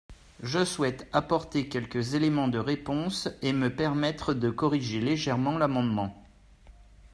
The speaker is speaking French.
Je souhaite apporter quelques éléments de réponse et me permettre de corriger légèrement l’amendement.